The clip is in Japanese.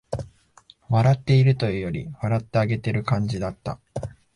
笑っているというより、笑ってあげてる感じだった